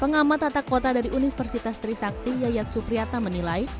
pengamat tata kota dari universitas trisakti yayat supriyata menilai